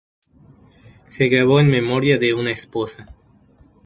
Se grabó en memoria de una esposa.